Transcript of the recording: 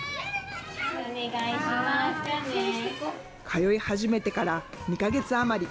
通い始めてから２か月余り。